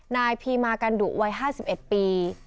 นายพีมากันดุวัย๕๑ปี